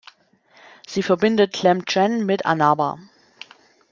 Sie verbindet Tlemcen mit Annaba.